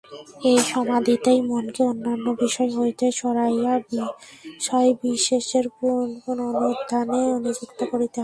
এই সমাধিতেই মনকে অন্যান্য বিষয় হইতে সরাইয়া বিষয়বিশেষের পুনঃপুন অনুধ্যানে নিযুক্ত করিতে হয়।